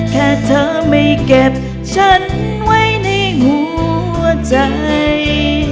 แค่เธอไม่เก็บฉันไว้ในหัวใจ